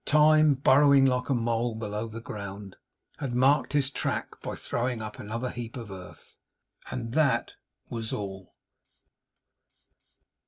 Time, burrowing like a mole below the ground, had marked his track by throwing up another heap of earth. And that was all.